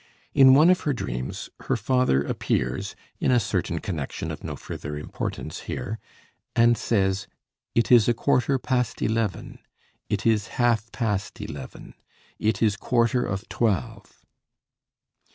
In one of her dreams her father appears in a certain connection, of no further importance here, and says, "It is a quarter past eleven, it is half past eleven, it is quarter of twelve."